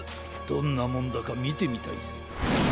どんなもんだかみてみたいぜ。